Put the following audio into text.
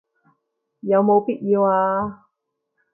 有冇必要啊